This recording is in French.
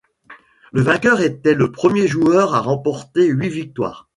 Le vainqueur était le premier joueur a remporter huit victoires.